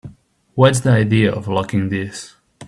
What's the idea of locking this?